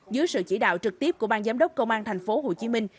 dưới sự chỉ đạo trực tiếp của bang giám đốc công an thành phố hồ chí minh